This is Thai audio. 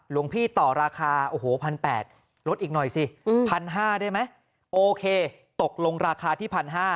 หลวงพี่ต่อราคาโอ้โห๑๘๐๐บาทลดอีกหน่อยสิ๑๕๐๐ได้ไหมโอเคตกลงราคาที่๑๕๐๐